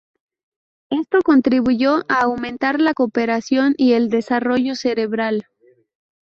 Esto contribuyó a aumentar la cooperación y el desarrollo cerebral.